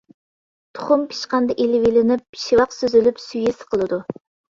تۇخۇم پىشقاندا ئېلىۋېلىنىپ، شىۋاق سۈزۈلۈپ سۈيى سىقىلىدۇ.